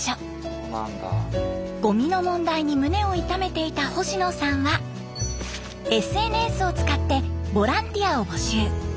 ゴミの問題に胸を痛めていた星野さんはＳＮＳを使ってボランティアを募集。